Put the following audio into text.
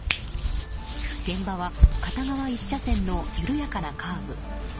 現場は片側１車線の緩やかなカーブ。